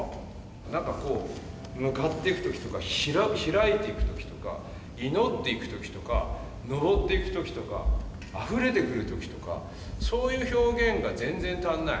なんかこう向かっていく時とか開いていく時とか祈っていく時とかのぼっていく時とかあふれてくる時とかそういう表現が全然足んない。